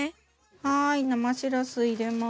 はい生シラス入れます。